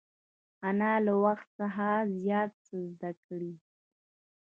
انا له وخت سره زیات څه زده کړي